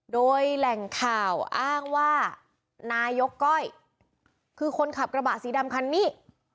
โดยแหล่งข่าวอ้างว่านายกก้อยคือคนขับกระบะสีดำคันนี้